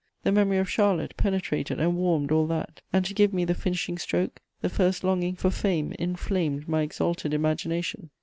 _ The memory of Charlotte penetrated and warmed all that, and to give me the finishing stroke, the first longing for fame inflamed my exalted imagination.